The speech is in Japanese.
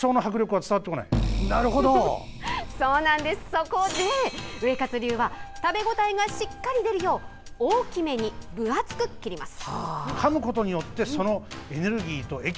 そこで、ウエカツ流は食べ応えがしっかり出るよう大きめに分厚く切ります。